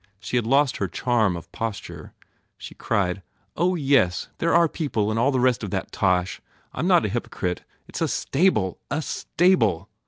She had lost her charm of posture. She cried, "Oh, yes! They re our people and all the rest of that tosh! I m not a hypocrite. It s a stable! A stable!"